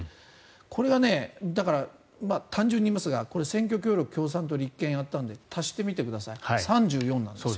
これが、だから単純に言いますが選挙協力を共産党と立憲がやったので足してみてください３４なんですよ。